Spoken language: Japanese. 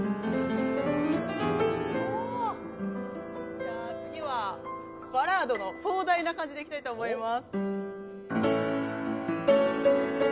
じゃあ次は、バラードの壮大な感じでいきたいと思います。